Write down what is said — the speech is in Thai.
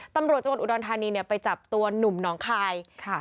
ตำรวจจับตัวหนุ่มน้องคาย